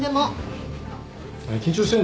緊張してんの？